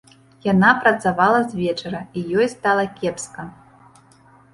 Яна працавала з вечара і ёй стала кепска.